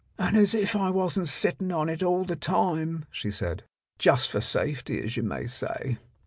"And if I wasn't sitting on it all the time," she said, "just for safety, as you may say.